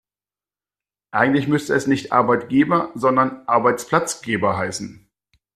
Eigentlich müsste es nicht Arbeitgeber, sondern Arbeitsplatzgeber heißen.